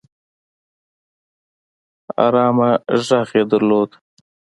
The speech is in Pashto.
ارامه غږ يې درلود